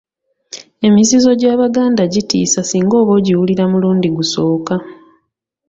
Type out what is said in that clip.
Emizizo gy'Abaganda gitiisa singa oba ogiwulira mulundi gusooka.